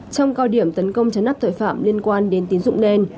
trong cao điểm tấn công chấn nắp tội phạm liên quan đến tiến dụng đen